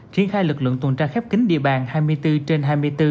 triển khai lực lượng tuần tra khép kính địa bàn hai mươi bốn trên hai mươi bốn